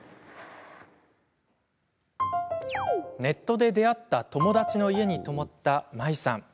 ネットで出会った友達の家に泊まった、まいさん。